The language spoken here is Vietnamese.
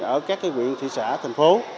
ở các cái nguyện thị xã thành phố